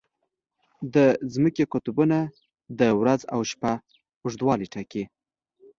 د ځمکې قطبونه د ورځ او شپه اوږدوالی ټاکي.